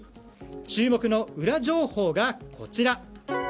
注目のウラ情報がこちら。